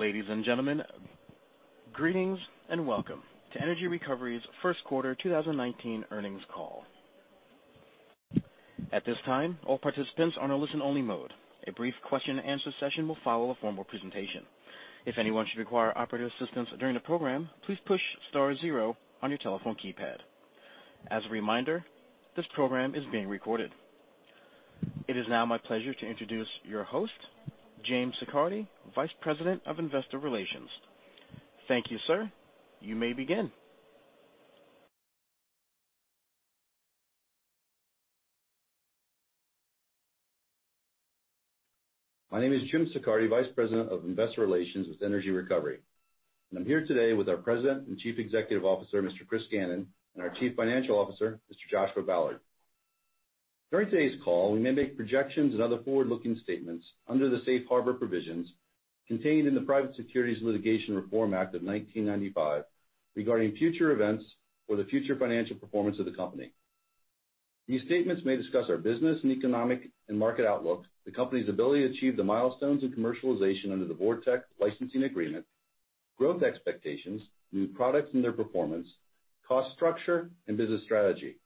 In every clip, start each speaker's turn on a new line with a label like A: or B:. A: Ladies and gentlemen, greetings and welcome to Energy Recovery's first quarter 2019 earnings call. At this time, all participants are in listen only mode. A brief question and answer session will follow a formal presentation. If anyone should require operator assistance during the program, please push star zero on your telephone keypad. As a reminder, this program is being recorded. It is now my pleasure to introduce your host, James Siccardi, Vice President of Investor Relations. Thank you, sir. You may begin.
B: My name is Jim Siccardi, Vice President of Investor Relations with Energy Recovery, I'm here today with our President and Chief Executive Officer, Mr. Chris Gannon, and our Chief Financial Officer, Mr. Joshua Ballard. During today's call, we may make projections and other forward-looking statements under the safe harbor provisions contained in the Private Securities Litigation Reform Act of 1995 regarding future events or the future financial performance of the company. These statements may discuss our business and economic and market outlook, the company's ability to achieve the milestones and commercialization under the VorTeq licensing agreement, growth expectations, new products and their performance, cost structure, and business strategy.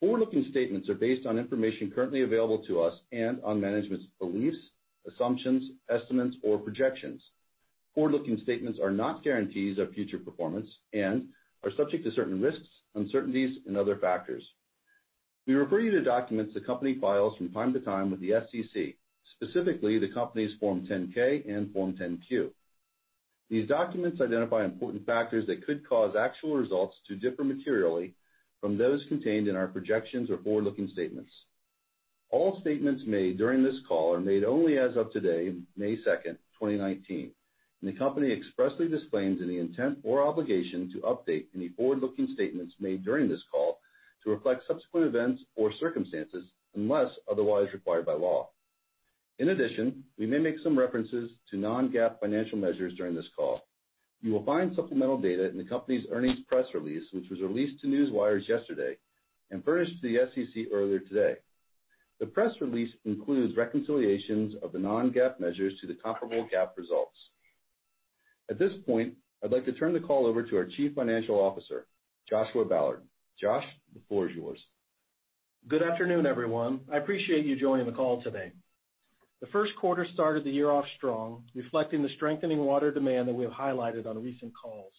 B: Forward-looking statements are based on information currently available to us and on management's beliefs, assumptions, estimates, or projections. Forward-looking statements are not guarantees of future performance and are subject to certain risks, uncertainties, and other factors. We refer you to documents the company files from time to time with the SEC, specifically the company's Form 10-K and Form 10-Q. These documents identify important factors that could cause actual results to differ materially from those contained in our projections or forward-looking statements. All statements made during this call are made only as of today, May 2nd, 2019, the company expressly disclaims any intent or obligation to update any forward-looking statements made during this call to reflect subsequent events or circumstances unless otherwise required by law. In addition, we may make some references to non-GAAP financial measures during this call. You will find supplemental data in the company's earnings press release, which was released to Newswires yesterday and furnished to the SEC earlier today. The press release includes reconciliations of the non-GAAP measures to the comparable GAAP results. At this point, I'd like to turn the call over to our Chief Financial Officer, Joshua Ballard. Josh, the floor is yours.
C: Good afternoon, everyone. I appreciate you joining the call today. The first quarter started the year off strong, reflecting the strengthening water demand that we have highlighted on recent calls.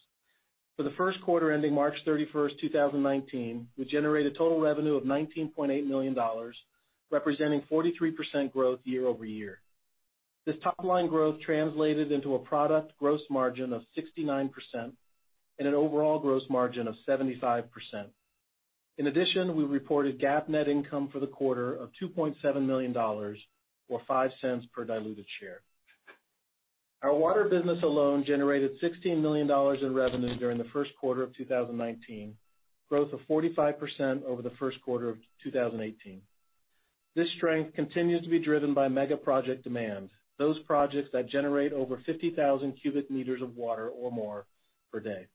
C: For the first quarter ending March 31st, 2019, we generated total revenue of $19.8 million, representing 43% growth year-over-year. This top-line growth translated into a product gross margin of 69% and an overall gross margin of 75%. In addition, we reported GAAP net income for the quarter of $2.7 million or $0.05 per diluted share. Our water business alone generated $16 million in revenue during the first quarter of 2019, growth of 45% over the first quarter of 2018. This strength continues to be driven by mega-project demand, those projects that generate over 50,000 cubic meters of water or more per day.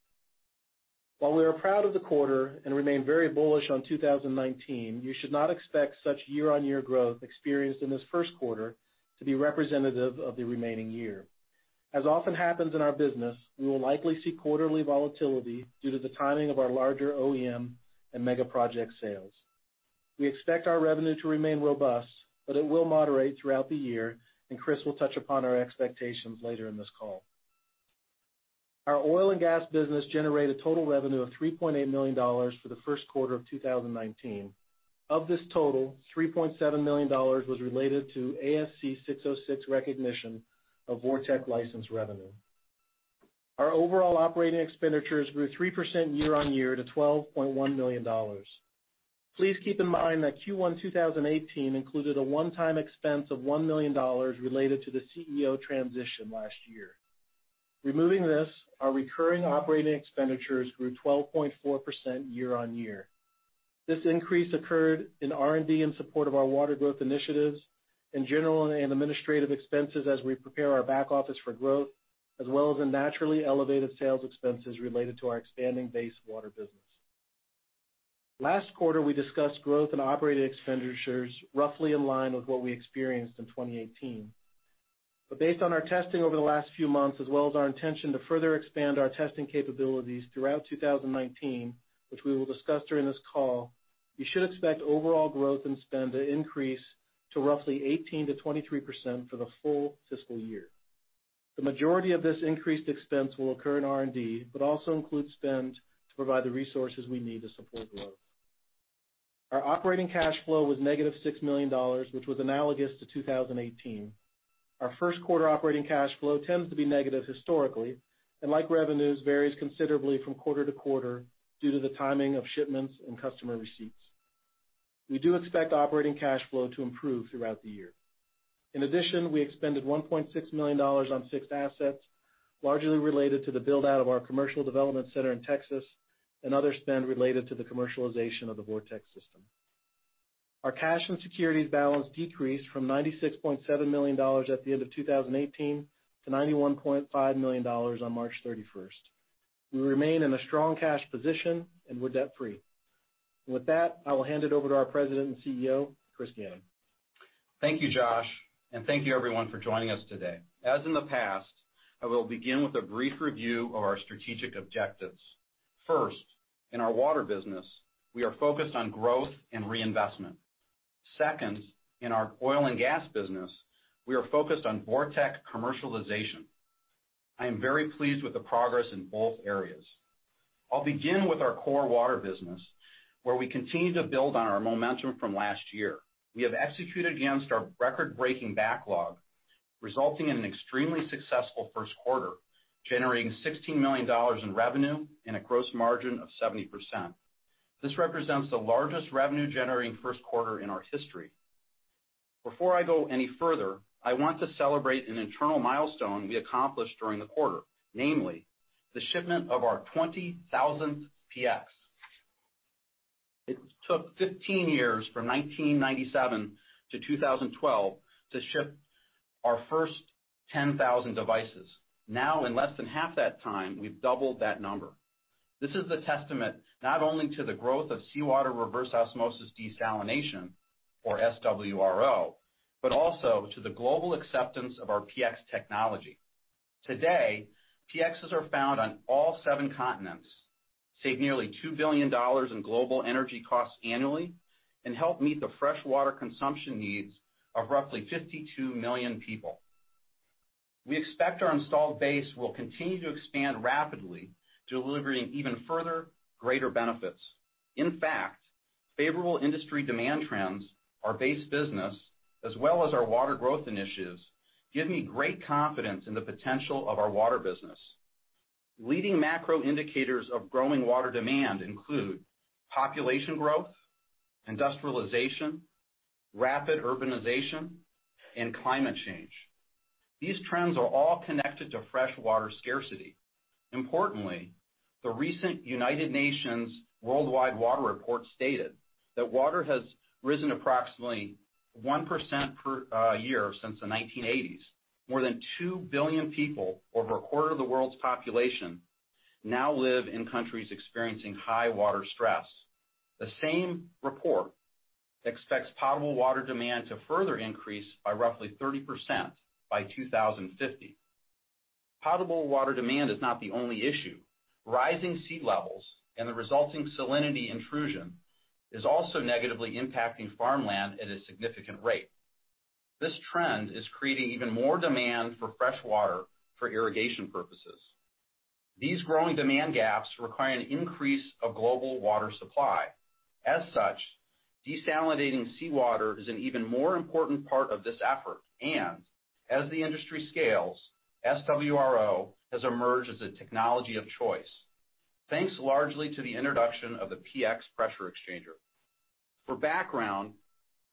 C: While we are proud of the quarter and remain very bullish on 2019, you should not expect such year-over-year growth experienced in this first quarter to be representative of the remaining year. As often happens in our business, we will likely see quarterly volatility due to the timing of our larger OEM and mega-project sales. We expect our revenue to remain robust, but it will moderate throughout the year, and Chris will touch upon our expectations later in this call. Our oil and gas business generated total revenue of $3.8 million for the first quarter of 2019. Of this total, $3.7 million was related to ASC 606 recognition of VorTeq license revenue. Our overall operating expenditures grew 3% year-over-year to $12.1 million. Please keep in mind that Q1 2018 included a one-time expense of $1 million related to the CEO transition last year. Removing this, our recurring operating expenditures grew 12.4% year-over-year. This increase occurred in R&D in support of our water growth initiatives, in general and administrative expenses as we prepare our back office for growth, as well as in naturally elevated sales expenses related to our expanding base water business. Last quarter, we discussed growth in operating expenditures roughly in line with what we experienced in 2018. Based on our testing over the last few months, as well as our intention to further expand our testing capabilities throughout 2019, which we will discuss during this call, you should expect overall growth and spend to increase to roughly 18%-23% for the full fiscal year. The majority of this increased expense will occur in R&D, but also includes spend to provide the resources we need to support growth. Our operating cash flow was negative $6 million, which was analogous to 2018. Our first quarter operating cash flow tends to be negative historically, and like revenues, varies considerably from quarter to quarter due to the timing of shipments and customer receipts. We do expect operating cash flow to improve throughout the year. In addition, we expended $1.6 million on fixed assets, largely related to the build-out of our Commercial Development Center in Texas and other spend related to the commercialization of the VorTeq system. Our cash and securities balance decreased from $96.7 million at the end of 2018 to $91.5 million on March 31st. We remain in a strong cash position, and we're debt-free. With that, I will hand it over to our President and CEO, Chris Gannon.
D: Thank you, Josh, and thank you everyone for joining us today. As in the past, I will begin with a brief review of our strategic objectives. First, in our water business, we are focused on growth and reinvestment. Second, in our oil and gas business, we are focused on VorTeq commercialization. I am very pleased with the progress in both areas. I'll begin with our core water business, where we continue to build on our momentum from last year. We have executed against our record-breaking backlog, resulting in an extremely successful first quarter, generating $16 million in revenue and a gross margin of 70%. This represents the largest revenue-generating first quarter in our history. Before I go any further, I want to celebrate an internal milestone we accomplished during the quarter. Namely, the shipment of our 20,000th PX. It took 15 years, from 1997 to 2012, to ship our first 10,000 devices. Now, in less than half that time, we've doubled that number. This is the testament not only to the growth of Sea Water Reverse Osmosis desalination, or SWRO, but also to the global acceptance of our PX technology. Today, PXs are found on all seven continents, save nearly $2 billion in global energy costs annually, and help meet the fresh water consumption needs of roughly 52 million people. We expect our installed base will continue to expand rapidly, delivering even further greater benefits. In fact, favorable industry demand trends, our base business, as well as our water growth initiatives, give me great confidence in the potential of our water business. Leading macro indicators of growing water demand include population growth, industrialization, rapid urbanization, and climate change. These trends are all connected to fresh water scarcity. Importantly, the recent United Nations worldwide water report stated that water has risen approximately 1% per year since the 1980s. More than two billion people, over a quarter of the world's population, now live in countries experiencing high water stress. The same report expects potable water demand to further increase by roughly 30% by 2050. Potable water demand is not the only issue. Rising sea levels and the resulting salinity intrusion is also negatively impacting farmland at a significant rate. This trend is creating even more demand for fresh water for irrigation purposes. These growing demand gaps require an increase of global water supply. Desalinating seawater is an even more important part of this effort. As the industry scales, SWRO has emerged as a technology of choice, thanks largely to the introduction of the PX Pressure Exchanger. For background,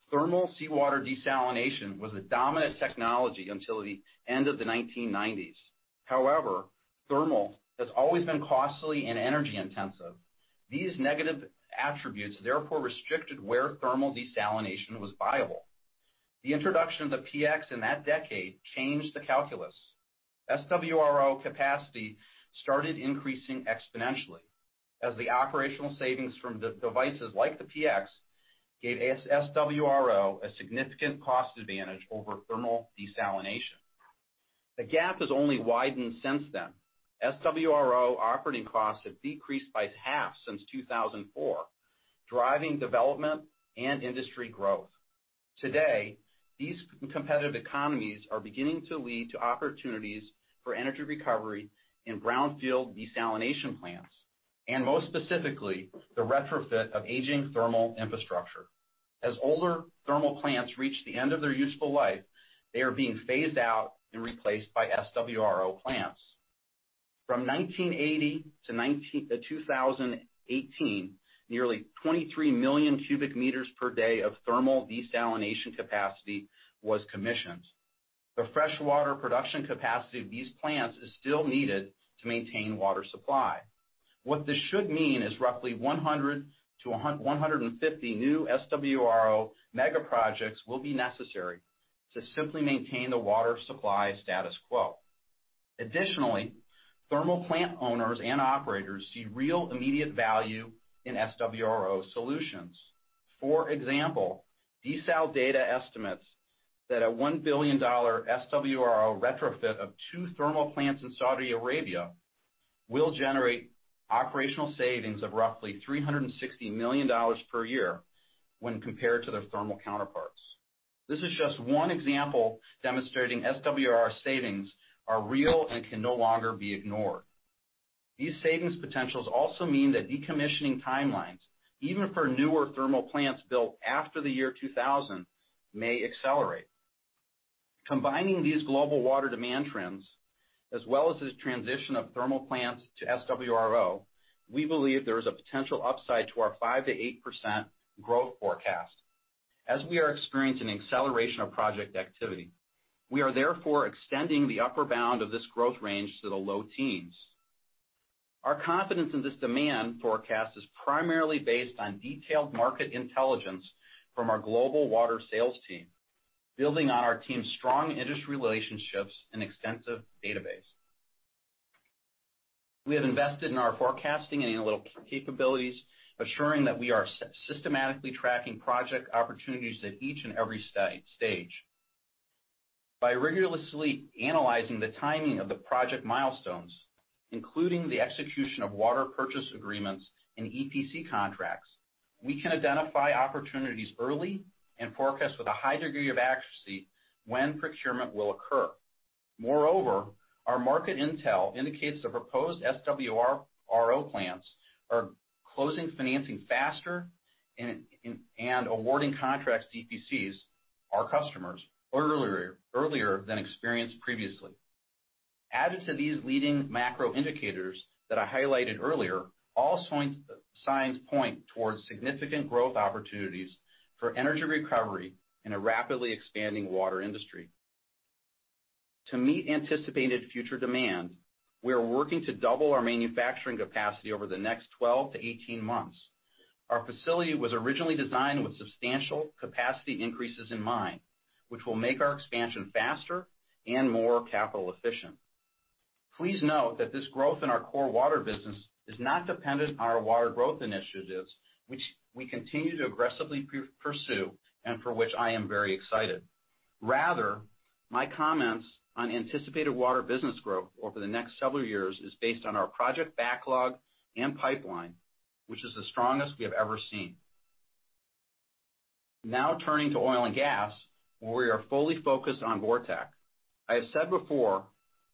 D: thermal seawater desalination was the dominant technology until the end of the 1990s. However, thermal has always been costly and energy intensive. These negative attributes therefore restricted where thermal desalination was viable. The introduction of the PX in that decade changed the calculus. SWRO capacity started increasing exponentially as the operational savings from devices like the PX gave SWRO a significant cost advantage over thermal desalination. The gap has only widened since then. SWRO operating costs have decreased by half since 2004, driving development and industry growth. Today, these competitive economies are beginning to lead to opportunities for energy recovery in brownfield desalination plants, and most specifically, the retrofit of aging thermal infrastructure. As older thermal plants reach the end of their useful life, they are being phased out and replaced by SWRO plants. From 1980 to 2018, nearly 23 million cubic meters per day of thermal desalination capacity was commissioned. The fresh water production capacity of these plants is still needed to maintain water supply. What this should mean is roughly 100 to 150 new SWRO mega projects will be necessary to simply maintain the water supply status quo. Additionally, thermal plant owners and operators see real immediate value in SWRO solutions. For example, DesalData estimates that a $1 billion SWRO retrofit of 2 thermal plants in Saudi Arabia will generate operational savings of roughly $360 million per year when compared to their thermal counterparts. This is just one example demonstrating SWRO savings are real and can no longer be ignored. These savings potentials also mean that decommissioning timelines, even for newer thermal plants built after the year 2000, may accelerate. Combining these global water demand trends, as well as the transition of thermal plants to SWRO, we believe there is a potential upside to our 5%-8% growth forecast, as we are experiencing an acceleration of project activity. We are therefore extending the upper bound of this growth range to the low teens. Our confidence in this demand forecast is primarily based on detailed market intelligence from our global water sales team, building on our team's strong industry relationships and extensive database. We have invested in our forecasting and analytical capabilities, assuring that we are systematically tracking project opportunities at each and every stage. By rigorously analyzing the timing of the project milestones, including the execution of water purchase agreements and EPC contracts, we can identify opportunities early and forecast with a high degree of accuracy when procurement will occur. Moreover, our market intel indicates the proposed SWRO plants are closing financing faster and awarding contracts to EPCs, our customers, earlier than experienced previously. Added to these leading macro indicators that I highlighted earlier, all signs point towards significant growth opportunities for Energy Recovery in a rapidly expanding water industry. To meet anticipated future demand, we are working to double our manufacturing capacity over the next 12-18 months. Our facility was originally designed with substantial capacity increases in mind, which will make our expansion faster and more capital efficient. Please note that this growth in our core water business is not dependent on our water growth initiatives, which we continue to aggressively pursue and for which I am very excited. Rather, my comments on anticipated water business growth over the next several years is based on our project backlog and pipeline, which is the strongest we have ever seen. Turning to Oil & Gas, where we are fully focused on VorTeq. I have said before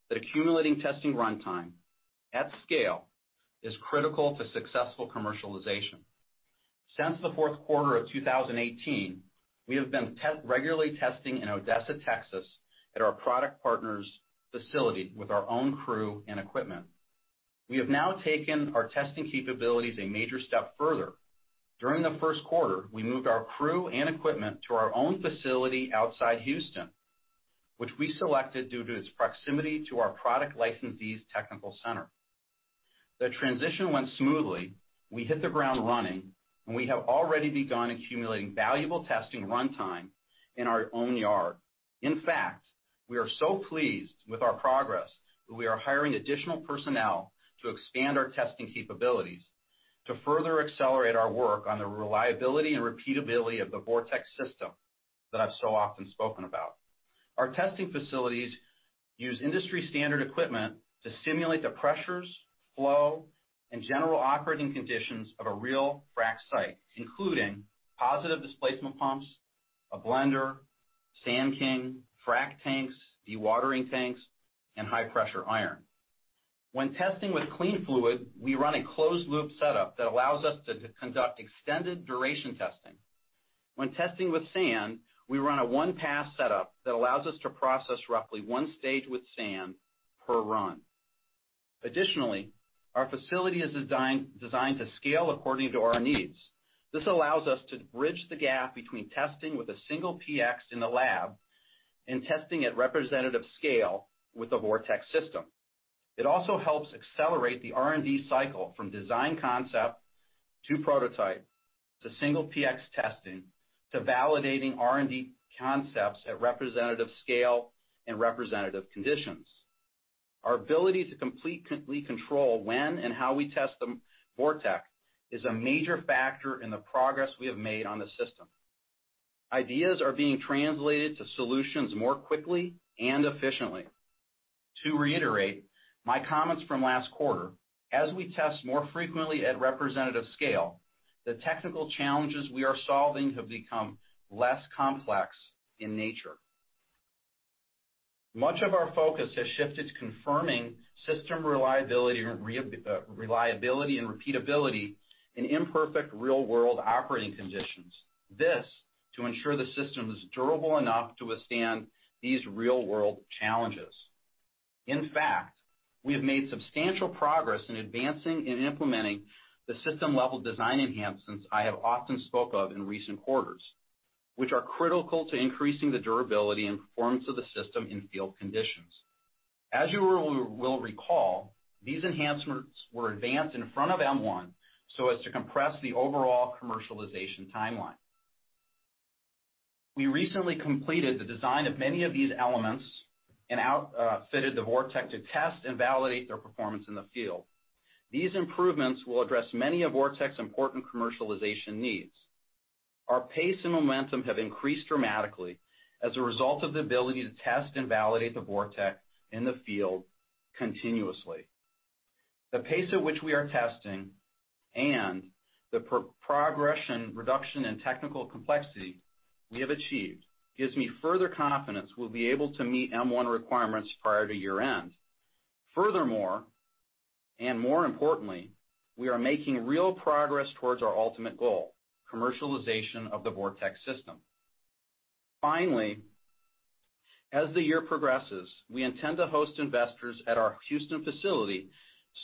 D: that accumulating testing runtime at scale is critical to successful commercialization. Since the fourth quarter of 2018, we have been regularly testing in Odessa, Texas, at our product partner's facility with our own crew and equipment. We have now taken our testing capabilities a major step further. During the first quarter, we moved our crew and equipment to our own facility outside Houston, which we selected due to its proximity to our product licensee's technical center. The transition went smoothly. We hit the ground running, and we have already begun accumulating valuable testing runtime in our own yard. In fact, we are so pleased with our progress that we are hiring additional personnel to expand our testing capabilities to further accelerate our work on the reliability and repeatability of the VorTeq system that I've so often spoken about. Our testing facilities use industry-standard equipment to simulate the pressures, flow, and general operating conditions of a real frack site, including positive displacement pumps, a blender, Sand King, frack tanks, dewatering tanks, and high-pressure iron. When testing with clean fluid, we run a closed-loop setup that allows us to conduct extended duration testing. When testing with sand, we run a one-pass setup that allows us to process roughly 1 stage with sand per run. Additionally, our facility is designed to scale according to our needs. This allows us to bridge the gap between testing with a single PX in the lab and testing at representative scale with the VorTeq system. It also helps accelerate the R&D cycle from design concept to prototype, to single PX testing, to validating R&D concepts at representative scale and representative conditions. Our ability to completely control when and how we test the VorTeq is a major factor in the progress we have made on the system. Ideas are being translated to solutions more quickly and efficiently. To reiterate my comments from last quarter, as we test more frequently at representative scale, the technical challenges we are solving have become less complex in nature. Much of our focus has shifted to confirming system reliability and repeatability in imperfect real-world operating conditions. This to ensure the system is durable enough to withstand these real-world challenges. In fact, we have made substantial progress in advancing and implementing the system-level design enhancements I have often spoke of in recent quarters, which are critical to increasing the durability and performance of the system in field conditions. As you will recall, these enhancements were advanced in front of M1 so as to compress the overall commercialization timeline. We recently completed the design of many of these elements and outfitted the VorTeq to test and validate their performance in the field. These improvements will address many of VorTeq's important commercialization needs. Our pace and momentum have increased dramatically as a result of the ability to test and validate the VorTeq in the field continuously. The pace at which we are testing and the progression reduction in technical complexity we have achieved gives me further confidence we'll be able to meet M1 requirements prior to year-end. Furthermore, and more importantly, we are making real progress towards our ultimate goal, commercialization of the VorTeq system. Finally, as the year progresses, we intend to host investors at our Houston facility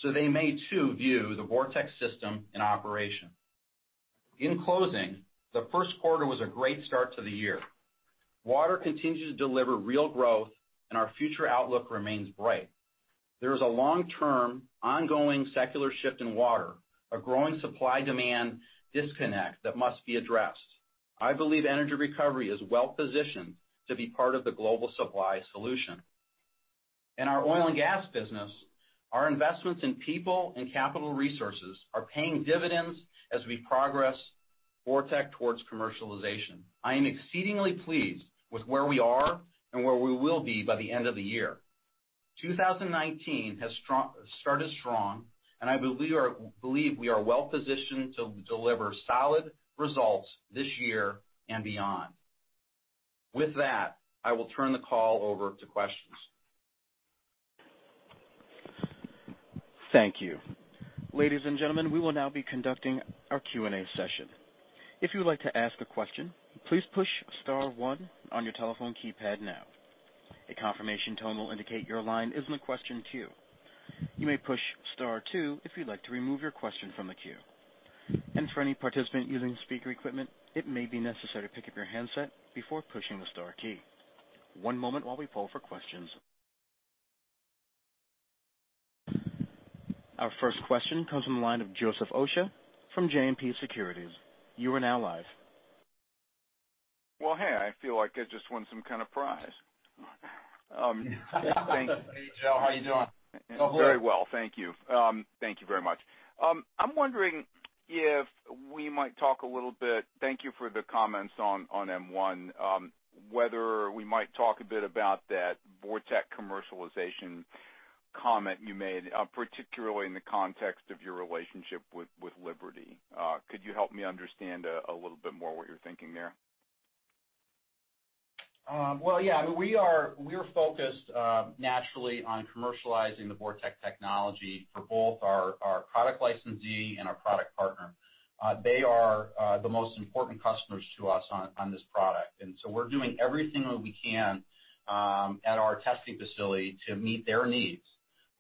D: so they may too view the VorTeq system in operation. In closing, the first quarter was a great start to the year. Water continues to deliver real growth and our future outlook remains bright. There is a long-term, ongoing secular shift in water, a growing supply-demand disconnect that must be addressed. I believe Energy Recovery is well-positioned to be part of the global supply solution. In our oil and gas business, our investments in people and capital resources are paying dividends as we progress VorTeq towards commercialization. I am exceedingly pleased with where we are and where we will be by the end of the year. 2019 has started strong, I believe we are well-positioned to deliver solid results this year and beyond. With that, I will turn the call over to questions.
A: Thank you. Ladies and gentlemen, we will now be conducting our Q&A session. If you would like to ask a question, please push star one on your telephone keypad now. A confirmation tone will indicate your line is in the question queue. You may push star two if you'd like to remove your question from the queue. For any participant using speaker equipment, it may be necessary to pick up your handset before pushing the star key. One moment while we poll for questions. Our first question comes from the line of Joseph Osha from JMP Securities. You are now live.
E: Well, hey. I feel like I just won some kind of prize.
D: Hey, Joe. How you doing? Go for it.
E: Very well. Thank you. Thank you very much. I'm wondering if we might talk a little bit, thank you for the comments on M1, whether we might talk a bit about that VorTeq commercialization comment you made, particularly in the context of your relationship with Liberty. Could you help me understand a little bit more what you're thinking there?
D: Well, yeah. We are focused naturally on commercializing the VorTeq technology for both our product licensee and our product partner. They are the most important customers to us on this product. We're doing everything that we can at our testing facility to meet their needs,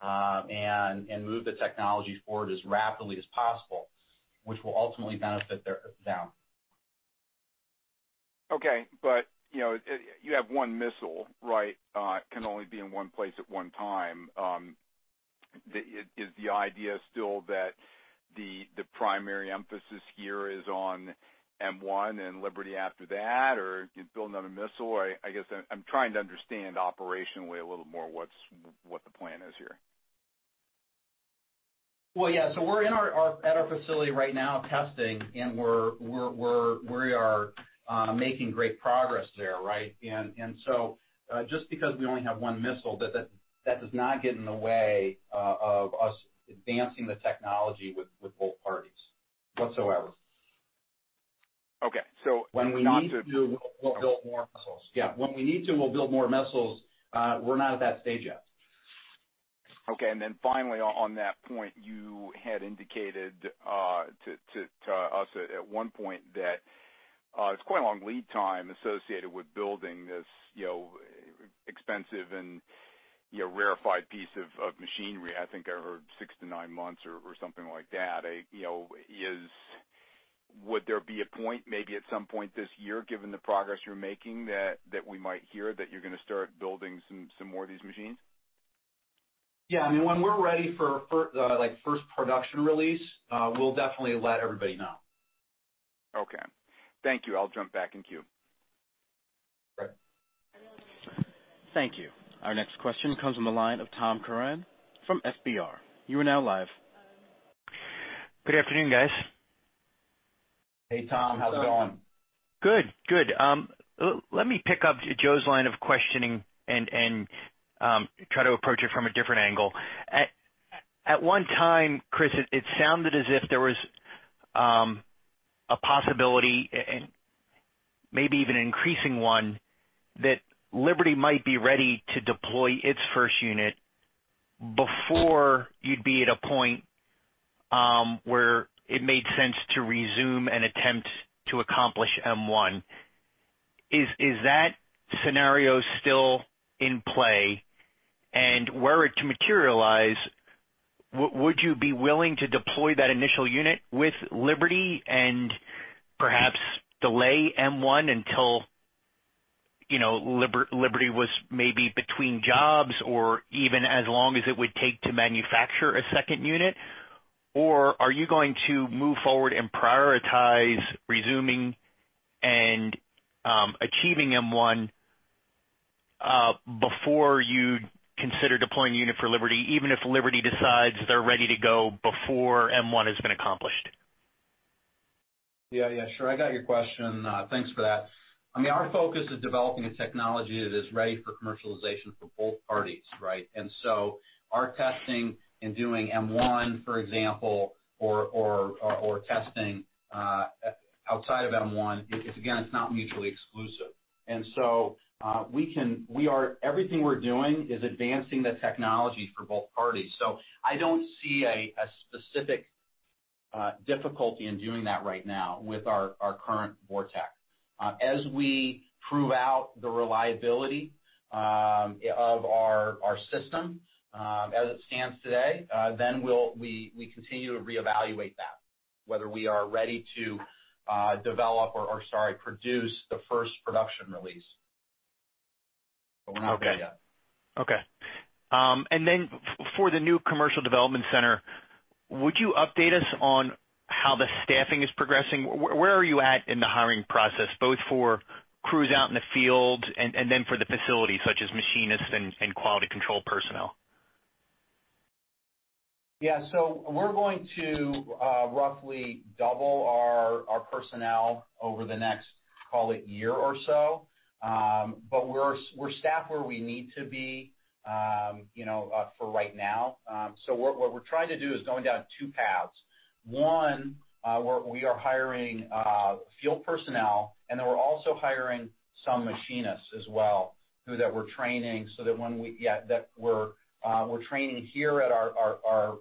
D: and move the technology forward as rapidly as possible, which will ultimately benefit them.
E: Okay. You have one missile, right? It can only be in one place at one time. Is the idea still that the primary emphasis here is on M1 and Liberty after that? You're building another missile? I guess I'm trying to understand operationally a little more what the plan is here.
D: Well, yeah. We're at our facility right now testing, and we are making great progress there, right? Just because we only have one missile, that does not get in the way of us advancing the technology with both parties whatsoever.
E: Okay.
D: When we need to, we'll build more missiles. Yeah. When we need to, we'll build more missiles. We're not at that stage yet.
E: Okay. Then finally on that point, you had indicated to us at one point that it's quite a long lead time associated with building this expensive and rarefied piece of machinery. I think I heard six to nine months or something like that. Would there be a point, maybe at some point this year, given the progress you're making, that we might hear that you're going to start building some more of these machines?
D: Yeah. When we're ready for first production release, we'll definitely let everybody know.
E: Okay. Thank you. I'll jump back in queue.
D: Great.
A: Thank you. Our next question comes from the line of Tom Curran from FBR. You are now live.
F: Good afternoon, guys.
D: Hey, Tom. How's it going?
F: Good. Let me pick up Joe's line of questioning and try to approach it from a different angle. At one time, Chris, it sounded as if there was a possibility, and maybe even an increasing one, that Liberty might be ready to deploy its first unit before you'd be at a point where it made sense to resume an attempt to accomplish M1. Is that scenario still in play? Were it to materialize, would you be willing to deploy that initial unit with Liberty and perhaps delay M1 until Liberty was maybe between jobs or even as long as it would take to manufacture a second unit? Are you going to move forward and prioritize resuming and achieving M1 before you'd consider deploying a unit for Liberty, even if Liberty decides they're ready to go before M1 has been accomplished?
D: Yeah, sure. I got your question. Thanks for that. Our focus is developing a technology that is ready for commercialization for both parties, right? Our testing and doing M1, for example, or testing outside of M1, again, it's not mutually exclusive. Everything we're doing is advancing the technology for both parties. I don't see a specific difficulty in doing that right now with our current VorTeq. As we prove out the reliability of our system as it stands today, then we continue to reevaluate that, whether we are ready to produce the first production release.
F: Okay. For the new Commercial Development Center, would you update us on how the staffing is progressing? Where are you at in the hiring process, both for crews out in the field and for the facility, such as machinists and quality control personnel?
D: Yeah. We're going to roughly double our personnel over the next, call it year or so. We're staffed where we need to be for right now. What we're trying to do is going down two paths. One, we are hiring field personnel, and we're also hiring some machinists as well, who that we're training here at our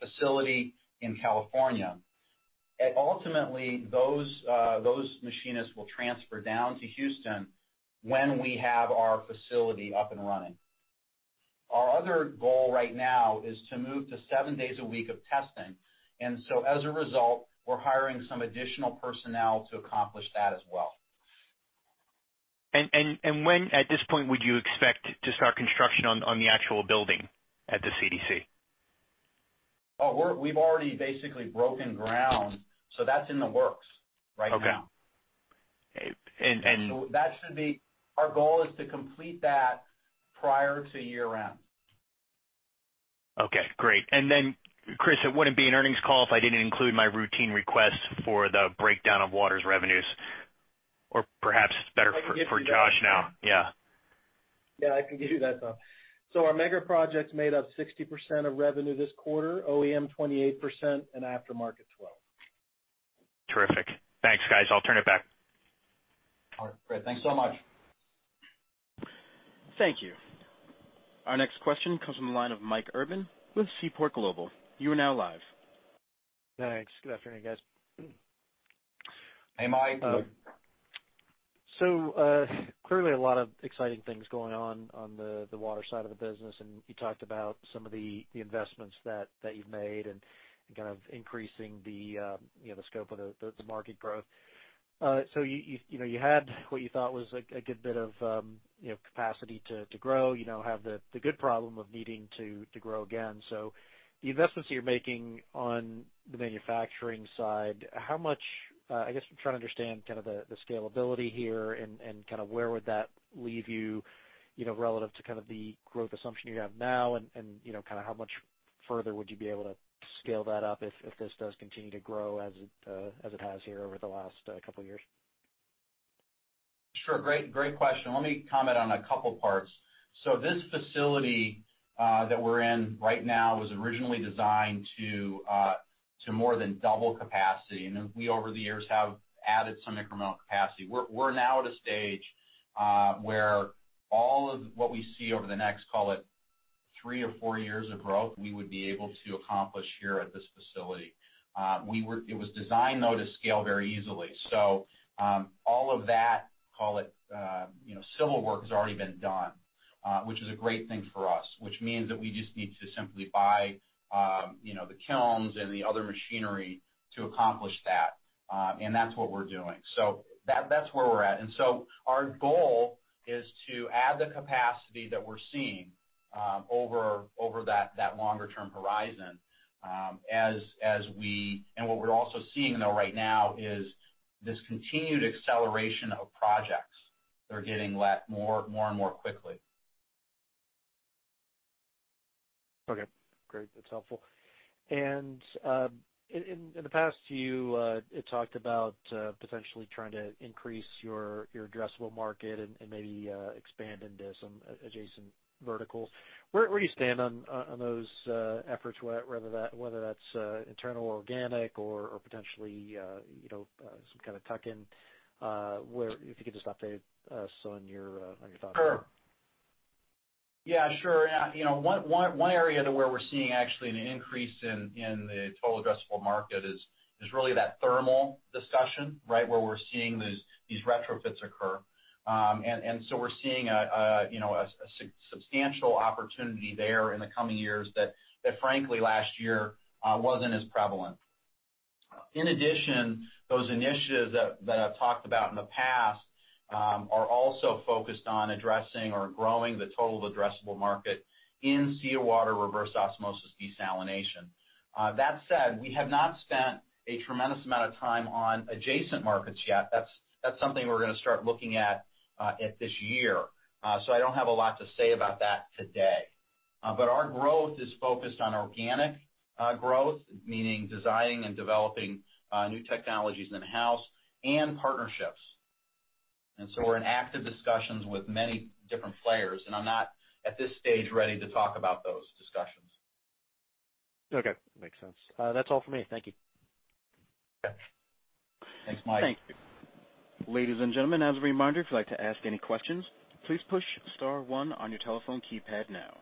D: facility in California. Ultimately, those machinists will transfer down to Houston when we have our facility up and running. Our other goal right now is to move to seven days a week of testing. As a result, we're hiring some additional personnel to accomplish that as well.
F: When at this point would you expect to start construction on the actual building at the CDC?
D: We've already basically broken ground, so that's in the works right now.
F: Okay.
D: Our goal is to complete that prior to year-end.
F: Okay, great. Chris, it wouldn't be an earnings call if I didn't include my routine request for the breakdown of Water's revenues, or perhaps it's better for Josh now.
D: I can get you that.
F: Yeah.
D: I can give you that, Tom. Our mega projects made up 60% of revenue this quarter, OEM 28%, and aftermarket 12%.
F: Terrific. Thanks, guys. I'll turn it back.
D: All right, great. Thanks so much.
A: Thank you. Our next question comes from the line of Michael Urban with Seaport Global. You are now live.
G: Thanks. Good afternoon, guys.
D: Hey, Mike.
G: Clearly a lot of exciting things going on the Water side of the business, and you talked about some of the investments that you've made and kind of increasing the scope of the market growth. You had what you thought was a good bit of capacity to grow, have the good problem of needing to grow again. The investments you're making on the manufacturing side, I guess I'm trying to understand kind of the scalability here and kind of where would that leave you, relative to kind of the growth assumption you have now and how much further would you be able to scale that up if this does continue to grow as it has here over the last couple of years?
D: Sure. Great question. Let me comment on a couple parts. This facility that we're in right now was originally designed to more than double capacity. We, over the years, have added some incremental capacity. We're now at a stage where all of what we see over the next, call it 3 or 4 years of growth, we would be able to accomplish here at this facility. It was designed, though, to scale very easily. All of that, call it civil work, has already been done, which is a great thing for us. Which means that we just need to simply buy the kilns and the other machinery to accomplish that. That's what we're doing. That's where we're at. Our goal is to add the capacity that we're seeing over that longer-term horizon. What we're also seeing though right now is this continued acceleration of projects that are getting let more and more quickly.
G: Okay, great. That's helpful. In the past, you had talked about potentially trying to increase your addressable market and maybe expand into some adjacent verticals. Where do you stand on those efforts, whether that's internal, organic, or potentially some kind of tuck-in, if you could just update us on your thoughts there?
D: Sure. Yeah, sure. One area where we're seeing actually an increase in the total addressable market is really that thermal discussion, where we're seeing these retrofits occur. We're seeing a substantial opportunity there in the coming years that frankly last year wasn't as prevalent. In addition, those initiatives that I've talked about in the past are also focused on addressing or growing the total addressable market in Sea Water Reverse Osmosis desalination. That said, we have not spent a tremendous amount of time on adjacent markets yet. That's something we're going to start looking at this year. I don't have a lot to say about that today. Our growth is focused on organic growth, meaning designing and developing new technologies in-house and partnerships. We're in active discussions with many different players, and I'm not at this stage ready to talk about those discussions.
G: Okay. Makes sense. That's all for me. Thank you.
D: Okay. Thanks, Mike.
A: Thank you. Ladies and gentlemen, as a reminder, if you'd like to ask any questions, please push star one on your telephone keypad now.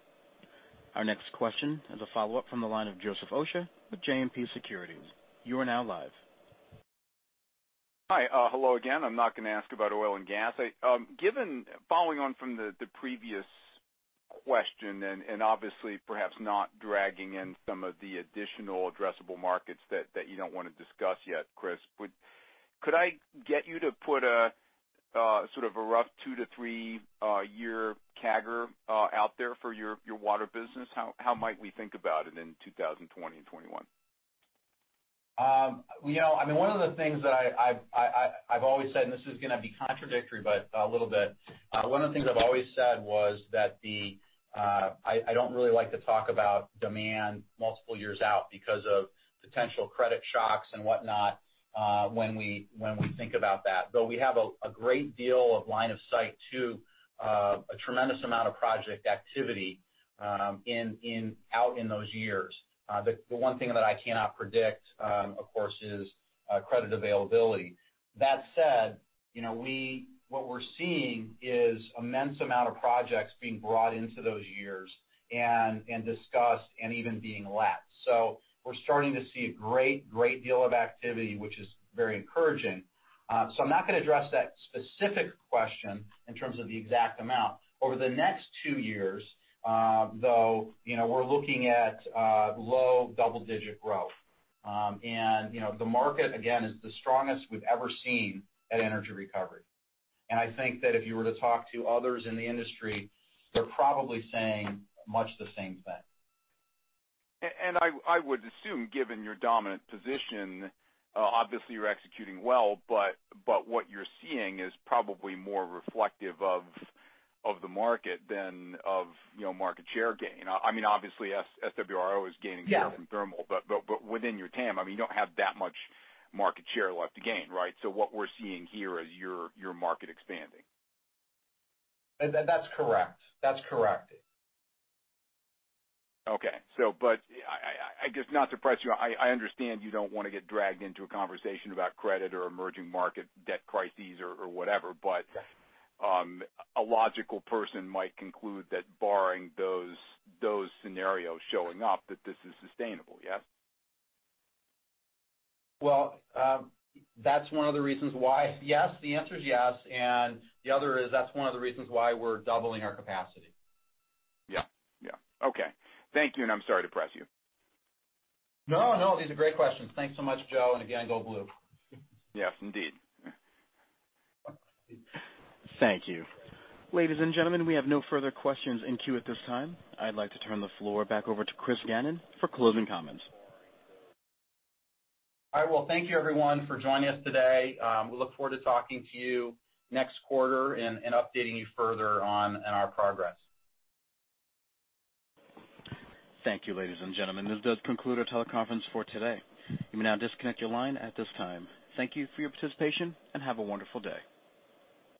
A: Our next question is a follow-up from the line of Joseph Osha with JMP Securities. You are now live.
E: Hi. Hello again. I'm not going to ask about oil and gas. Following on from the previous question, and obviously perhaps not dragging in some of the additional addressable markets that you don't want to discuss yet, Chris. Could I get you to put a rough two to three-year CAGR out there for your water business? How might we think about it in 2020 and 2021?
D: One of the things that I've always said, and this is going to be contradictory, but a little bit. One of the things I've always said was that I don't really like to talk about demand multiple years out because of potential credit shocks and whatnot when we think about that. Though we have a great deal of line of sight to a tremendous amount of project activity out in those years. The one thing that I cannot predict, of course, is credit availability. That said, what we're seeing is immense amount of projects being brought into those years and discussed and even being let. We're starting to see a great deal of activity, which is very encouraging. I'm not going to address that specific question in terms of the exact amount. Over the next two years, though, we're looking at low double-digit growth. The market, again, is the strongest we've ever seen at Energy Recovery. I think that if you were to talk to others in the industry, they're probably saying much the same thing.
E: I would assume, given your dominant position, obviously you're executing well, but what you're seeing is probably more reflective of the market than of market share gain. Obviously, SWRO is gaining-
D: Yeah
E: more than thermal. Within your TAM, you don't have that much market share left to gain, right? What we're seeing here is your market expanding.
D: That's correct.
E: Okay. I guess not to press you, I understand you don't want to get dragged into a conversation about credit or emerging market debt crises or whatever.
D: Yes
E: A logical person might conclude that barring those scenarios showing up, that this is sustainable, yes?
D: Well, that's one of the reasons why. Yes, the answer is yes. The other is that's one of the reasons why we're doubling our capacity.
E: Yeah. Okay. Thank you, and I'm sorry to press you.
D: No, these are great questions. Thanks so much, Joe. Again, go blue.
E: Yes, indeed.
A: Thank you. Ladies and gentlemen, we have no further questions in queue at this time. I'd like to turn the floor back over to Chris Gannon for closing comments.
D: I will thank you, everyone, for joining us today. We look forward to talking to you next quarter and updating you further on our progress.
A: Thank you, ladies and gentlemen. This does conclude our teleconference for today. You may now disconnect your line at this time. Thank you for your participation, and have a wonderful day.